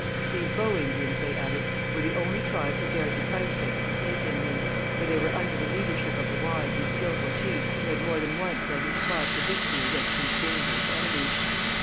These Bow Indians, they added, were the only tribe who dared to fight against the Snake Indians, for they were under the leadership of a wise and skilful chief, who had more than once led his tribe to victory against these dangerous enemies.